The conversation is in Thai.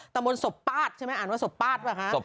ตำบลสบป้าดใช่ไหมอ่านว่าสบป้าดป่ะคะ